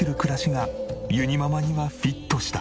がゆにママにはフィットした。